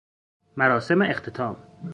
مراسم اختتام